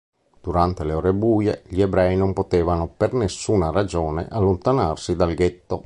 Durante le ore buie gli ebrei non potevano per nessuna ragione allontanarsi dal ghetto.